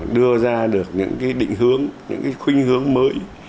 đưa ra được những cái định hướng những cái khuyên hướng mới